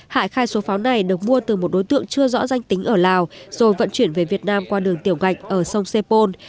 hải khai số pháo này được mua từ một đối tượng chưa rõ danh tính ở lào rồi vận chuyển về việt nam qua đường tiểu ngạch ở sông sepol